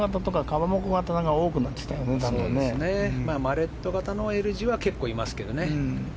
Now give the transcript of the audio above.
マレット型のＬ字は結構いますけどね。